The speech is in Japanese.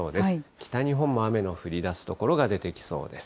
北日本も雨の降りだす所が出てきそうです。